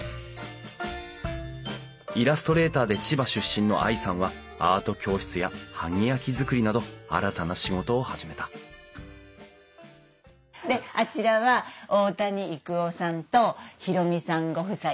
イラストレーターで千葉出身の愛さんはアート教室や萩焼づくりなど新たな仕事を始めたであちらは大谷育男さんと弘美さんご夫妻で。